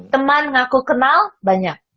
temen ngaku kenal banyak